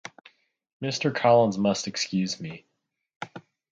Mr. Collins must excuse me.